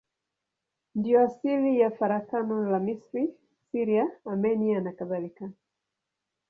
Ndiyo asili ya farakano la Misri, Syria, Armenia nakadhalika.